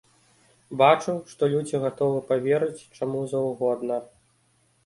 Бачу, што людзі гатовы паверыць чаму заўгодна.